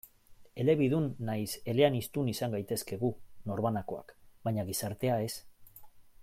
Elebidun nahiz eleaniztun izan gintezke gu, norbanakoak, baina gizartea, ez.